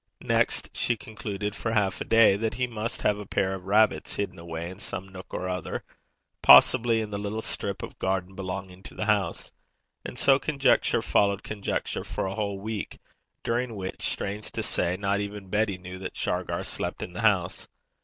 Next she concluded, for half a day, that he must have a pair of rabbits hidden away in some nook or other possibly in the little strip of garden belonging to the house. And so conjecture followed conjecture for a whole week, during which, strange to say, not even Betty knew that Shargar slept in the house.